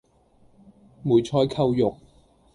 梅菜扣肉